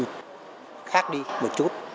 thì khác đi một chút